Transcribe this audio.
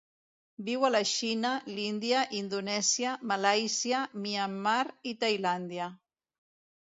Viu a la Xina, l'Índia, Indonèsia, Malàisia, Myanmar i Tailàndia.